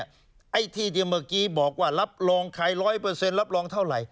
ไอ้ที่ที่เมื่อกี้บอกว่ารับรองใคร๑๐๐รับรองเท่าไหร่